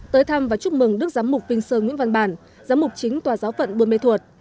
tới thăm và chúc mừng đức giám mục vinh sơn nguyễn văn bản giám mục chính tòa giáo phận buôn mê thuột